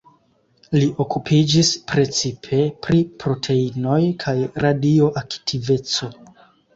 Li okupiĝis precipe pri proteinoj kaj radioaktiveco.